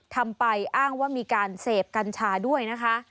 ทำไปอ้างว่ามีการเสพกัญชาด้วยนะคะ